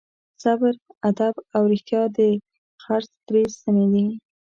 صبر، ادب او رښتیا د خرڅ درې ستنې دي.